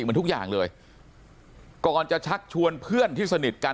เหมือนทุกอย่างเลยก่อนจะชักชวนเพื่อนที่สนิทกัน